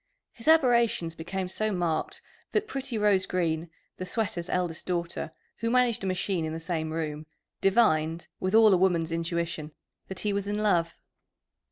His aberrations became so marked that pretty Rose Green, the sweater's eldest daughter, who managed a machine in the same room, divined, with all a woman's intuition, that he was in love.